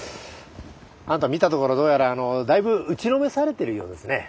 あなた見たところどうやらあのだいぶ打ちのめされてるようですね。